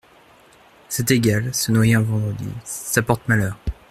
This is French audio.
C’est égal… se noyer un vendredi… ça porte malheur !…